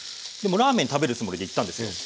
でもラーメン食べるつもりで行ったんですよ。